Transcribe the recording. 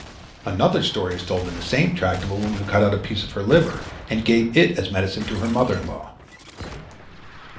Another story is told in the same tract of a woman who cut out a piece of her liver and gave it as medicine to her mother in law.